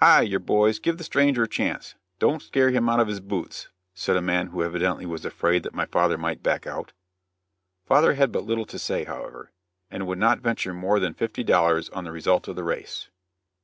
"Hi! yer boys, give the stranger a chance. Don't scare him out of his boots," said a man who evidently was afraid that my father might back out. Father had but little to say, however, and would not venture more than fifty dollars on the result of the race.